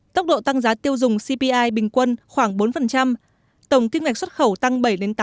tốc độ tăng giá tiêu dùng cpi bình quân khoảng bốn tổng kim ngạch xuất khẩu tăng bảy tám